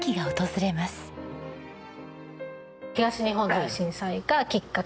東日本大震災がきっかけ。